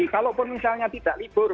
kalaupun misalnya tidak libur